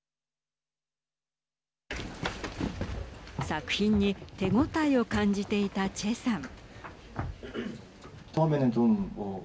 作品に手応えを感じていたチェさん。